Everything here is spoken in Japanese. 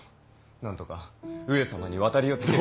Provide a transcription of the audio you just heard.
なんとか上様に渡りをつける。